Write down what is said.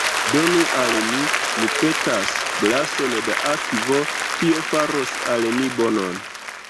Donu al mi, mi petas, glason da akvo; tio faros al mi bonon.